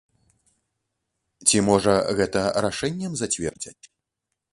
Ці, можа, гэта рашэннем зацвердзяць.